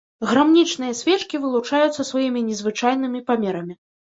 Грамнічныя свечкі вылучаюцца сваімі незвычайнымі памерамі.